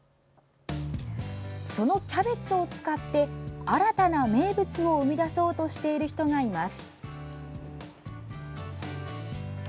そのキャベツを使って新たな名物を生み出そうとしている人がいます。